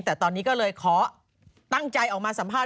แต่ตอนนี้ก็เลยขอตั้งใจออกมาสัมภาษณ